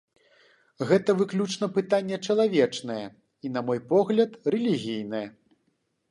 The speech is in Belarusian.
Гэта выключна пытанне чалавечнае і, на мой погляд, рэлігійнае.